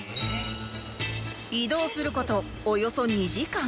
移動する事およそ２時間